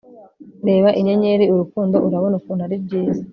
Reba inyenyeri urukundo urabona ukuntu aribyiza